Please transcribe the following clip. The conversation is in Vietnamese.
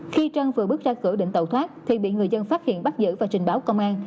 khi trân vừa bước ra cửa định tàu thoát thì bị người dân phát hiện bắt giữ và trình báo công an